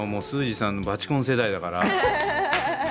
スージーさんのバチコン世代だから。